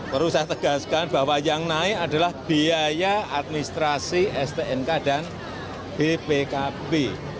perlu saya tegaskan bahwa yang naik adalah biaya administrasi stnk dan bpkb